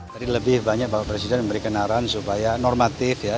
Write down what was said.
jadi lebih banyak bahwa presiden memberikan arahan supaya normatif ya